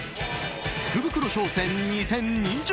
福袋商戦２０２３！